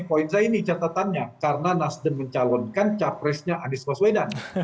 poin saya ini catatannya karena nasdem mencalonkan capresnya anies baswedan